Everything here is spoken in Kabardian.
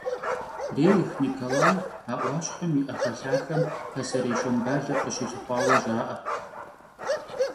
Рерих Николай а Ӏуащхьэм и Ӏэхэлъахэм пасэрей Шамбалэр къыщилъыхъуауэ жаӀэ.